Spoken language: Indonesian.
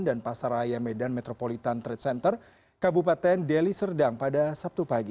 dan pasar raya medan metropolitan trade center kabupaten deli serdang pada sabtu pagi